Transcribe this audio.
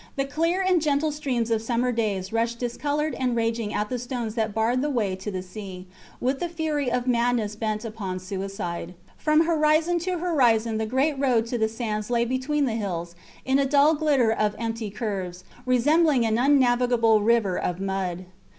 The clear and gentle streams of summer days rushed discoloured and raging at the stones that barred the way to the sea, with the fury of madness bent upon suicide. From horizon to horizon the great road to the sands lay between the hills in a dull glitter of empty curves, resembling an unnavigable river of mud.